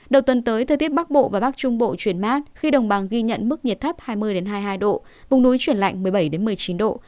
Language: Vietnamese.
đầu tuần tới thời tiết bắc bộ và bắc trung bộ chuyển mát khi đồng bằng ghi nhận mức nhiệt thấp hai mươi hai mươi hai độ vùng núi chuyển lạnh một mươi bảy một mươi chín độ